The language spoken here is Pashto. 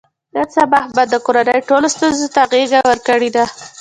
نن سبا احمد د کورنۍ ټولو ستونزو ته غېږه ورکړې ده.